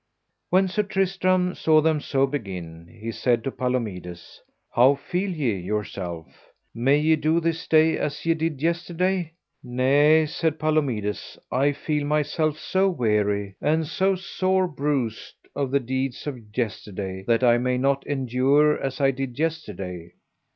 When Sir Tristram saw them so begin, he said to Palomides: How feel ye yourself? may ye do this day as ye did yesterday? Nay, said Palomides, I feel myself so weary, and so sore bruised of the deeds of yesterday, that I may not endure as I did yesterday.